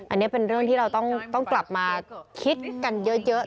อันนี้เป็นเรื่องที่เราต้องกลับมาคิดกันเยอะ